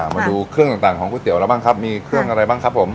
มาดูเครื่องต่างของก๋วเตี๋เราบ้างครับมีเครื่องอะไรบ้างครับผม